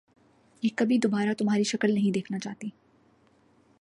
میں کبھی دوبارہ تمہاری شکل نہیں دیکھنا چاہتی۔